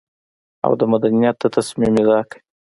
او د مدنيت د تصميم ادعا کوي.